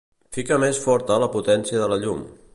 Fica més forta la potència de la llum.